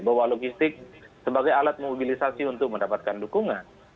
bawa logistik sebagai alat mobilisasi untuk mendapatkan dukungan